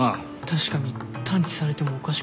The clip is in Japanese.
確かに探知されてもおかしくない。